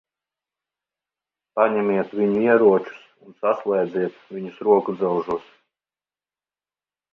Paņemiet viņu ieročus un saslēdziet viņus rokudzelžos.